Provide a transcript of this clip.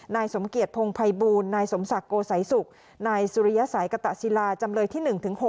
นายสมเกียจพงภัยบูลนายสมศักดิ์โกสัยสุขนายสุริยสัยกตะศิลาจำเลยที่๑๖